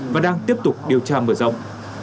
và đang tiếp tục điều tra mở rộng